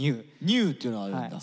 「ニュー」っていうのがあるんだ。